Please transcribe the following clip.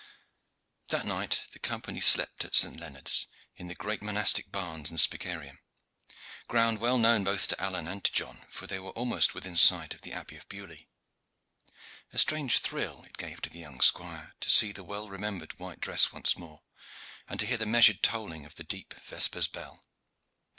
That night the Company slept at St. Leonard's, in the great monastic barns and spicarium ground well known both to Alleyne and to John, for they were almost within sight of the Abbey of Beaulieu. A strange thrill it gave to the young squire to see the well remembered white dress once more, and to hear the measured tolling of the deep vespers bell.